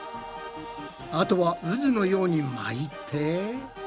あとはうずのように巻いて。